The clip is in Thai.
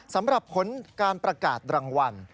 สำหรับผลการประกาศรางวัล